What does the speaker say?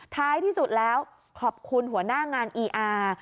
ท้ายที่สุดแล้วขอบคุณหัวหน้างานอีอาร์